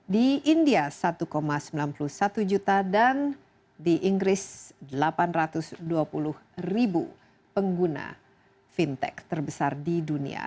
di india satu sembilan puluh satu juta dan di inggris delapan ratus dua puluh ribu pengguna fintech terbesar di dunia